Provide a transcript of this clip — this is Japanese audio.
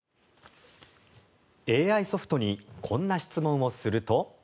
ＡＩソフトにこんな質問をすると。